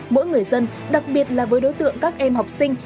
mỗi người dân đặc biệt là với đối tượng các em học sinh